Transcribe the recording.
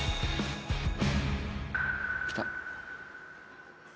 来た！